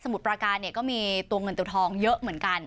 มุดประการเนี่ยก็มีตัวเงินตัวทองเยอะเหมือนกัน